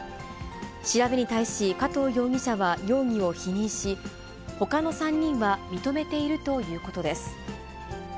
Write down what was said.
調べに対し、加藤容疑者は容疑を否認し、ほかの３人は認めているということです。